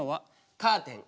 カーテン。